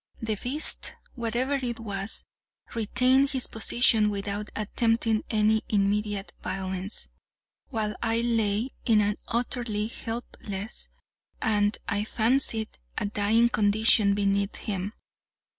The beast, whatever it was, retained his position without attempting any immediate violence, while I lay in an utterly helpless, and, I fancied, a dying condition beneath him.